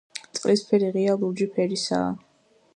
წყლის ფერი ღია ლურჯი ფერისაა.